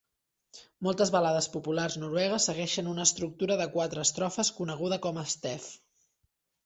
Moltes balades populars noruegues segueixen una estructura de quatre estrofes coneguda com a "stev".